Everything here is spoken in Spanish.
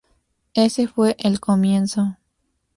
Ese fue el comienzo.